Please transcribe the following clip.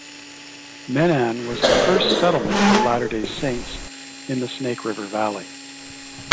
Menan was the first settlement of Latter-day Saints in the Snake River Valley.